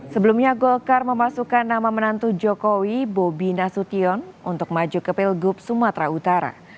sebelumnya golkar memasukkan nama menantu jokowi bobi nasution untuk maju ke pilgub sumatera utara